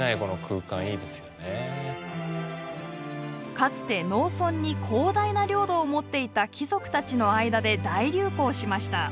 かつて農村に広大な領土を持っていた貴族たちの間で大流行しました。